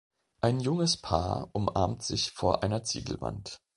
Ein junges Paar umarmt sich vor einer Ziegelwand.